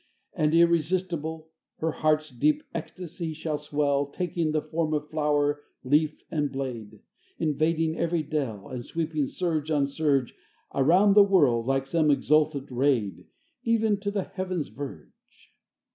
And, irresistible, Her heart's deep ecstasy shall swell, Taking the form of flower, leaf, and blade, Invading every dell, And sweeping, surge on surge, Around the world, like some exultant raid, Even to the heaven's verge.